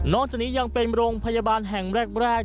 จากนี้ยังเป็นโรงพยาบาลแห่งแรก